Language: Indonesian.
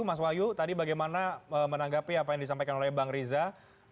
mas wahyu tadi bagaimana menanggapi apa yang disampaikan oleh bang riza